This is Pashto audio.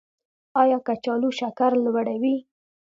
ایا کچالو شکر لوړوي؟